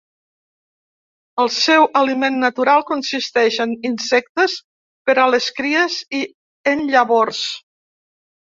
El seu aliment natural consisteix en insectes per a les cries i en llavors.